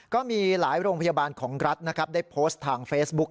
ก็มีหลายโรงพยาบาลของรัฐนะครับได้โพสต์ทางเฟซบุ๊ค